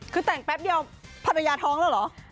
คือแต่งแป๊บเดียวภรรยาท้องแล้วเหรอ